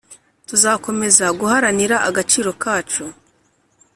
Tuzakomeza guharanira agaciro kacu